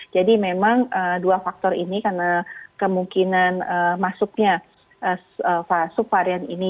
jadi memang dua faktor ini karena kemungkinan masuknya sub varian ini juga dari negara ini